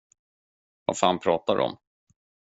Vad fan pratar du om?